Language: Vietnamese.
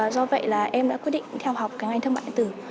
do vậy là em đã quyết định theo học cái ngành thương mại điện tử